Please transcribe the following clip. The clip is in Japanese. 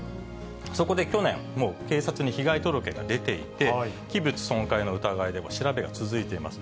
そこで去年、もう警察に被害届が出ていて、器物損壊の疑いで調べが続いています。